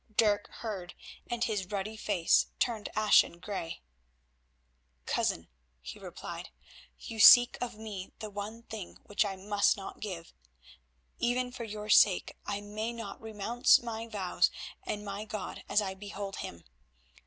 Dirk heard, and his ruddy face turned ashen grey. "Cousin," he replied, "you seek of me the one thing which I must not give. Even for your sake I may not renounce my vows and my God as I behold Him.